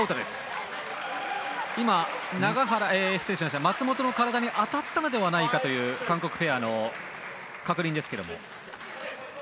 今、松本の体に当たったのではないかという韓国ペアの確認です。